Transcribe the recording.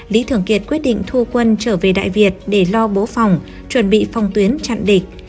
lý thường kiệt quyết định thu quân trở về đại việt để lo bố phòng chuẩn bị phong tuyến chặn địch